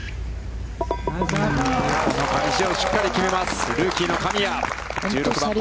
この返しをしっかり決めます、ルーキーの神谷、１６番パー。